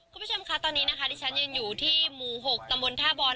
คุณผู้ชมค่ะตอนนี้นะคะที่ฉันยืนอยู่ที่หมู่๖ตำบลท่าบอล